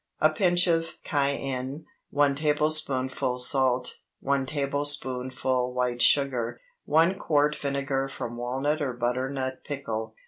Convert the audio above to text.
A pinch of cayenne. 1 tablespoonful salt. 1 tablespoonful white sugar. 1 quart vinegar from walnut or butternut pickle.